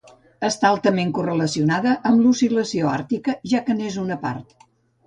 Està altament correlacionada amb l'oscil·lació àrtica, ja que n'és una part.